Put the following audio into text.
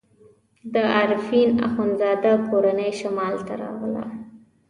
د عارفین اخندزاده کورنۍ شمال ته راغله.